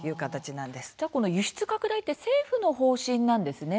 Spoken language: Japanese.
この輸出拡大って政府の方針なんですね。